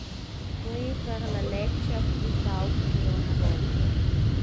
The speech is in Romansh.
Quei ei per la letga pli pauc ch’igl onn avon.